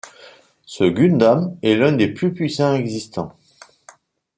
Ce Gundam est l’un des plus puissants existant.